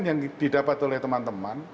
yang didapat oleh teman teman